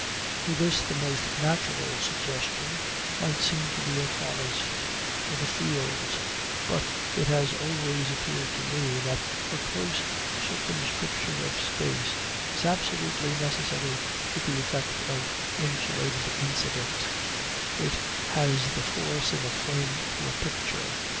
For this the most natural suggestion might seem to be a forest, or the fields but it has always appeared to me that a close circumscription of space is absolutely necessary to the effect of insulated incident: it has the force of a frame to a picture.